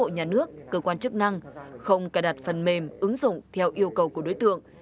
nhà nước cơ quan chức năng không cài đặt phần mềm ứng dụng theo yêu cầu của đối tượng